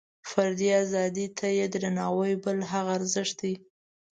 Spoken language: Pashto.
فردي ازادیو ته درناوۍ بل هغه ارزښت دی.